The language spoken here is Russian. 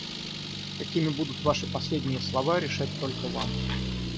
Какими будут ваши последние слова, решать только вам.